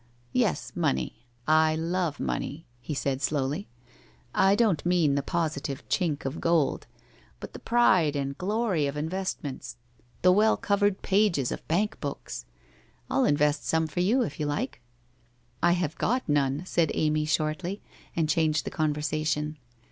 ' Yes, money. I love money,' he said slowly. ' I don't mean the positive chink of gold, but the pride and glory of investments, the well covered pages of bank books ! I'll invest some for you if you like ?'' I have got none,' said Amy shortly, and changed the conversation.